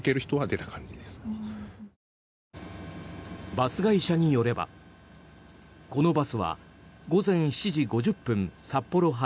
バス会社によれば、このバスは午前７時５０分札幌発